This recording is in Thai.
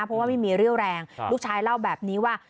เพราะว่าไม่มีเรี่ยวแรงลูกชายเล่าแบบนี้ว่า